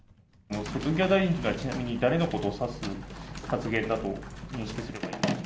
瀬戸際大臣とは、ちなみに誰のことを指す発言だと認識すれば。